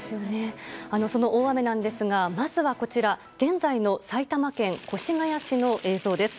その大雨なんですがまずはこちら現在の埼玉県越谷市の映像です。